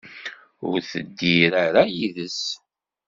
Ur teddir ara yid-s.